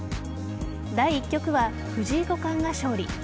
第１局は藤井五冠が勝利。